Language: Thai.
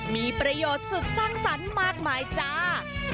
มีประโยชน์สุดสร้างสรรค์มากมายจ้า